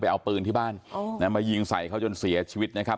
เอาปืนที่บ้านมายิงใส่เขาจนเสียชีวิตนะครับ